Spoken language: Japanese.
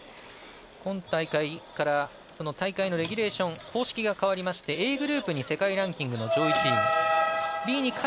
今大会、大会のレギュレーション、方式が変わりましてＡグループに世界ランキングの上位チーム。